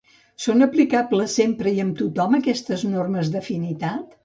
Són aplicables sempre i amb tothom, aquestes normes d'afinitat?